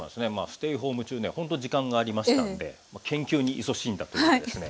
ステイホーム中ねほんと時間がありましたんで研究にいそしんだというですね。